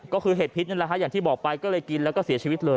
ก็คือเห็ดพิษนั่นแหละฮะอย่างที่บอกไปก็เลยกินแล้วก็เสียชีวิตเลย